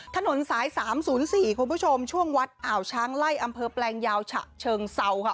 ถนนสาย๓๐๔คุณผู้ชมช่วงวัดอ่าวช้างไล่อำเภอแปลงยาวฉะเชิงเซาค่ะ